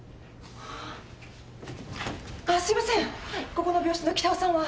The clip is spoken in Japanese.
ここの病室の北尾さんは？